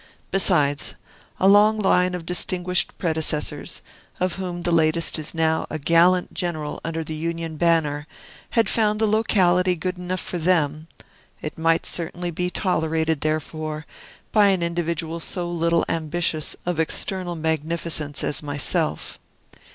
Besides, a long line of distinguished predecessors, of whom the latest is now a gallant general under the Union banner, had found the locality good enough for them; it might certainly be tolerated, therefore, by an individual so little ambitious of external magnificence as myself.